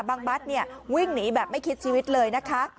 บัตรวิ่งหนีแบบไม่คิดชีวิตเลยนะคะ